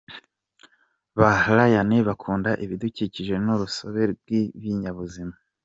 Ba Rayane bakunda ibidukikije n’urusobe rw’ibinyabuzima